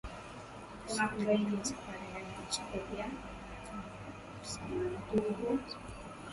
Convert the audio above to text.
kusikojulikanaSafari yao ilichukua miaka na miaka Katika safari hii ngumu wamasai walipoteza watu